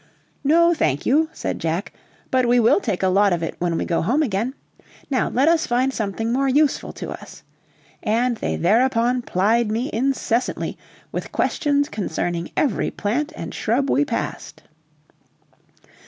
"No, thank you," said Jack; "but we will take a lot of it when we go home again. Now let us find something more useful to us." And they thereupon plied me incessantly with questions concerning every plant and shrub we passed.